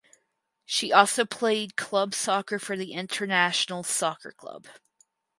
She also played club soccer for Internationals Soccer Club.